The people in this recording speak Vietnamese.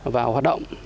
vào hoạt động